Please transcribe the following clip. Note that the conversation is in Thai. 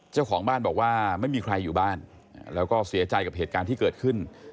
เจ้าของบ้านบอกว่าไม่มีใครอยู่บ้านแล้วก็เสียใจกับเหตุการณ์ที่เกิดขึ้น